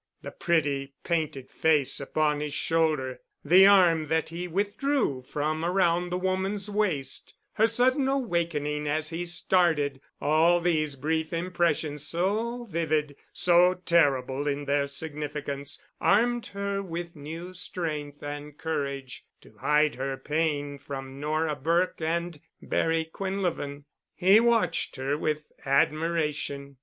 The pretty painted face upon his shoulder, the arm that he withdrew from around the woman's waist, her sudden awakening as he started—all these brief impressions so vivid, so terrible in their significance, armed her with new strength and courage to hide her pain from Nora Burke and Barry Quinlevin. He watched her with admiration.